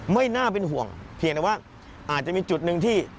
ไม่น่าเป็นห่วงเพียงแต่ว่าอาจจะมีจุดหนึ่งที่